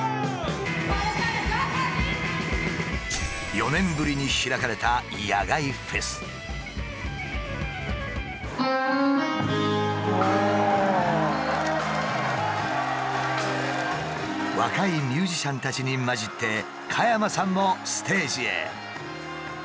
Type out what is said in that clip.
４年ぶりに開かれた若いミュージシャンたちに交じって加山さんもステージへ。